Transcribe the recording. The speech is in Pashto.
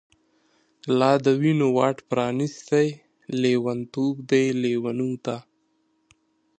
لا د وینو واټ پرانیستۍ، لیونتوب دی لیونوته